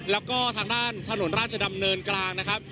แล้วก็ทางด้านถนนราชดำเนินกลางนะครับ